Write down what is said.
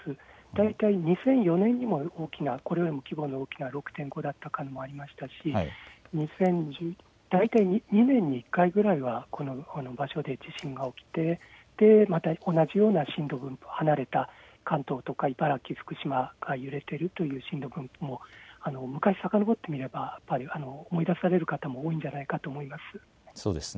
大体２００４年にも大きな、このように大きな規模が６．５のもありましたし、大体２年に１回ぐらいは、この場所で地震が起きて、また同じような震度分布が離れた関東とか茨城、福島が揺れているという、震度分布も、昔をさかのぼってみれば、思い出される方も多いんじゃないか